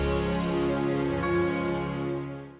dan menghentikan raiber